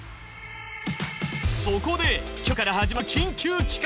そこで今日から始まる緊急企画。